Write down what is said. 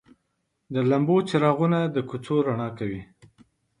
د لمبو څراغونه د کوڅو رڼا کوي.